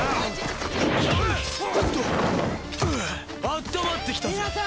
あったまってきたぜ。